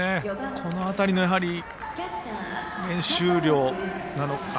この辺りの練習量なのか。